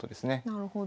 なるほど。